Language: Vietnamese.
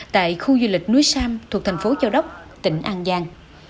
tại khu du lịch núi sam thuộc thành phố châu đốc tỉnh an giang